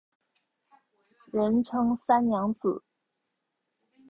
人称三娘子。